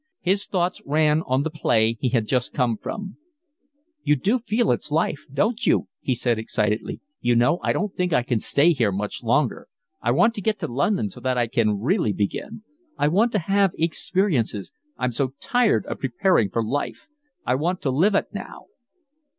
His thoughts ran on the play he had just come from. "You do feel it's life, don't you?" he said excitedly. "You know, I don't think I can stay here much longer. I want to get to London so that I can really begin. I want to have experiences. I'm so tired of preparing for life: I want to live it now."